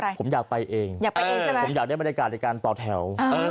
เออผมอยากไปเองผมอยากได้บรรยาการในการต่อแถว